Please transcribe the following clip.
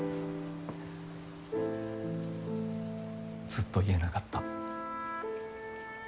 ずっと言えなかった。